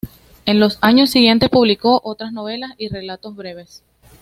En los años siguientes publicó otras novelas y relatos breves.